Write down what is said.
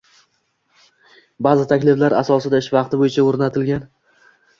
Ba`zi takliflar asosida ish vaqti boʻyicha oʻrnatilgan